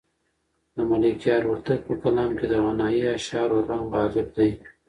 د ملکیار هوتک په کلام کې د غنایي اشعارو رنګ غالب دی.